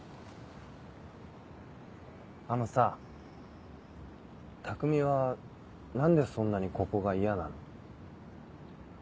あのさたくみは何でそんなにここが嫌なの？